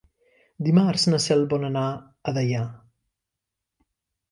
Dimarts na Cel vol anar a Deià.